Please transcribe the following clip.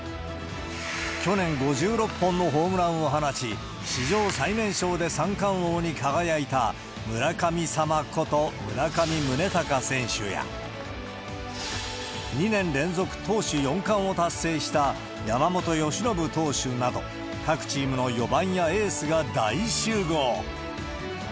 去年、５６本のホームランを放ち、史上最年少で三冠王に輝いた村神様こと村上宗隆選手や、２年連続投手四冠を達成した山本由伸投手など、各チームの４番やエースが大集合。